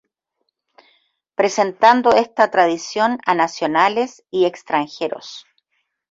Presentando esta tradición a nacionales y extranjeros.